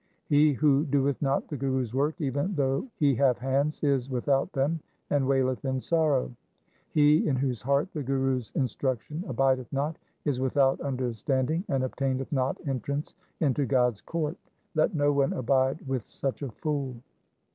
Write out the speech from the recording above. He who doeth not the Guru's work, even though he have hands, is without them, and waileth in sorrow. He in whose heart the Guru's 1 XXVII. 264 THE SIKH RELIGION instruction abideth not, is without understanding and obtaineth not entrance into God's court. Let no one abide with such a fool.